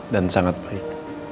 dan sangat baik